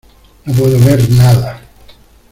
No puedo ver nada.